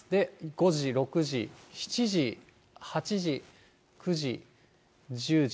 ５時、６時、７時、８時、９時、１０時。